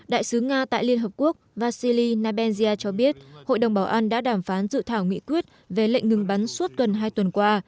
đại sứ nga tại liên hợp quốc vasili nabenzya cho biết hội đồng bảo an đã đàm phán dự thảo nghị quyết về lệnh ngừng bắn suốt gần hai tuần qua